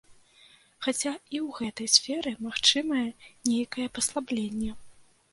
Хаця і ў гэтай сферы магчымае нейкае паслабленне.